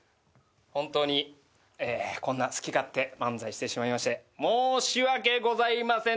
本当にえこんな好き勝手漫才してしまいまして申し訳ございませんでした。